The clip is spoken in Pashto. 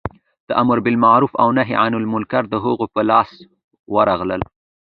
د امر بالمعروف او نهې عن المنکر د هغو په لاس ورغلل.